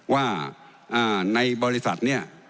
ว่าในบริษัทเนี่ย